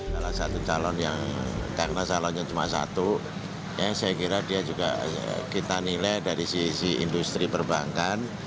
salah satu calon yang karena calonnya cuma satu ya saya kira dia juga kita nilai dari sisi industri perbankan